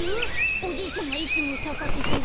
おじいちゃんがいつもさかせてる。